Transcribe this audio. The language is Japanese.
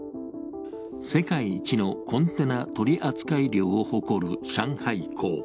世界一のコンテナ取扱量を誇る上海港。